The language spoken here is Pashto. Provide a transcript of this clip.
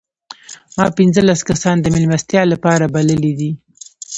ما پنځلس کسان د مېلمستیا لپاره بللي دي.